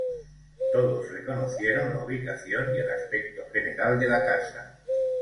Todos reconocieron la ubicación y el aspecto general de la casa.